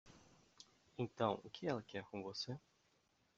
Então o que ela quer com você?